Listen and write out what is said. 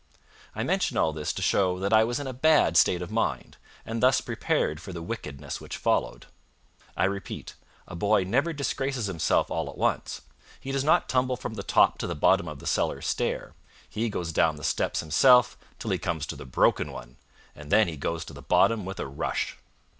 I mention all this to show that I was in a bad state of mind, and thus prepared for the wickedness which followed. I repeat, a boy never disgraces himself all at once. He does not tumble from the top to the bottom of the cellar stair. He goes down the steps himself till he comes to the broken one, and then he goes to the bottom with a rush.